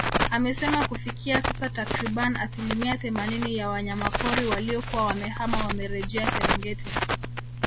Amesema kufikia sasa takriban asilimia themanini ya wanyama pori waliokuwa wamehama wamerejea Serengeti